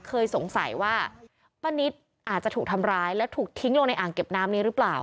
เคยสงสัยว่าป้านิตอาจจะถูกทำร้ายและถูกทิ้งลงในอ่างเก็บน้ำนี้หรือเปล่า